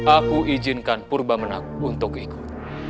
aku izinkan purba menak untuk ikut